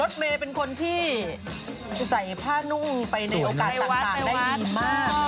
เมย์เป็นคนที่ใส่ผ้านุ่งไปในโอกาสต่างได้ยินมาก